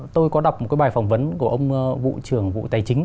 tôi có đọc một cái bài phỏng vấn của ông vụ trưởng vụ tài chính